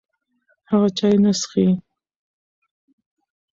هغه چای نه څښي.